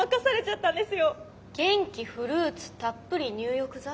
「元気フルーツたっぷり入浴剤」？